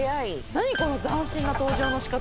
何この斬新な登場の仕方。